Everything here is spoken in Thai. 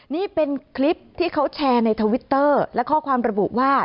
นี่เป็นคลิปที่เขาแชร์ในทวิตเตอร์และข้อความระบุว่า